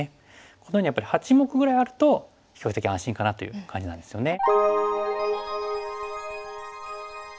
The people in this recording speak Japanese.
このようにやっぱり８目ぐらいあると比較的安心かなという感じなんですよね。